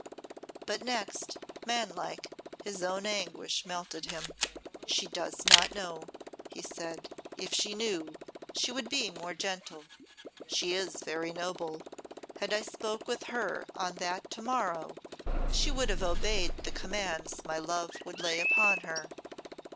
But next, manlike, his own anguish melted him. "She does not know," he said. "If she knew she would be more gentle. She is very noble. Had I spoke with her on that to morrow, she would have obeyed the commands my love would lay upon her."